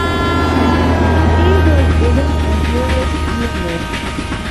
Theys was given a hero's funeral.